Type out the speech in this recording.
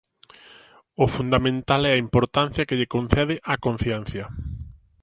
O fundamental é a importancia que lle concede á conciencia.